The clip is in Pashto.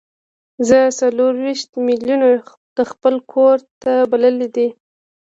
زه څلور ویشت میلمانه د خپل کور ته بللي دي.